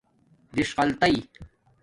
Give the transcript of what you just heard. دݽقاتئئ